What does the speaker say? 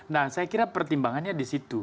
nah saya kira pertimbangannya di situ